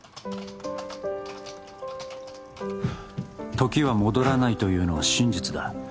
「時は戻らないというのは真実だ」